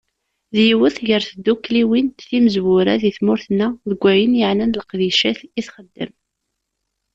D yiwet gar tddukkliwin timezwura di tmurt-nneɣ deg wayen yeɛnan leqdicat i t-xeddem.